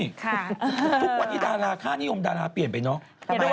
ทุกวันนี้ดาราค่านิยมดาราเปลี่ยนไปเนาะ